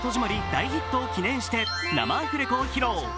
大ヒットを記念して生アフレコを披露。